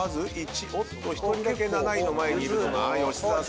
１人だけ７位の前にいるのが吉澤さんです。